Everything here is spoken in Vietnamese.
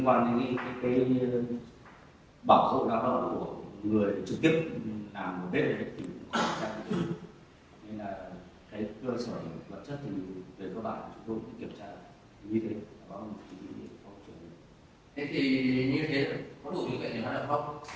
có đủ điều kiện nữa không